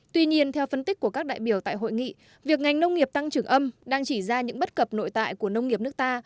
tuy nhiên theo phân tích của các đại biểu tại hội nghị việc ngành nông nghiệp tăng trưởng âm đang chỉ ra những bất cập nội tại của nông nghiệp nước ta